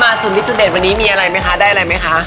สุดลิสเด็ดวันนี้มีอะไรไหมคะได้อะไรไหมคะ